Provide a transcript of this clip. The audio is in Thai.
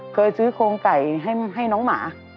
เคยซื้อโครงไก่ให้น้องหมา